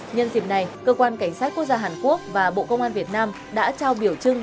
nhân dịp này cơ quan cảnh sát quốc gia hàn quốc và bộ công an việt nam đã trao biểu trưng